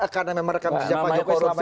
karena merekam kisah pak jokowi selama ini itu